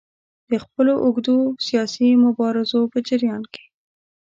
د خپلو اوږدو سیاسي مبارزو په جریان کې.